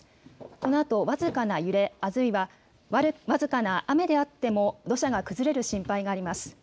このあと僅かな揺れ、あるいは僅かな雨であっても土砂が崩れる心配があります。